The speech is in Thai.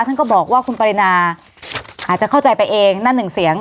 ท่านก็บอกว่าคุณปรินาอาจจะเข้าใจไปเองนั่นหนึ่งเสียง